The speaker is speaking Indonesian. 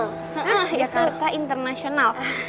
hah jakarta international